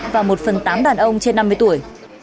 và một phần tám đàn ông trên năm mươi tuổi